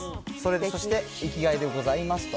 そして、生きがいでございますと。